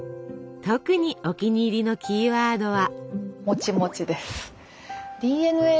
特にお気に入りのキーワードは。